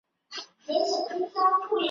祖父许士蕃。